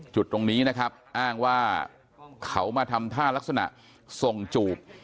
จุดตรงนี้นะครับอ้างว่าเขามาทำท่ารักษณะส่งจูบ